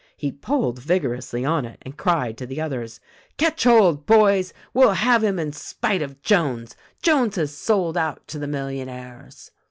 He pulled vigorously on it and cried to the others : 'Catch hold, boys — we'll have him in spite of Jones. Jones has sold out to the millionaires.'